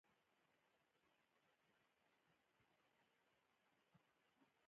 کلي د خلکو د ژوند په کیفیت تاثیر کوي.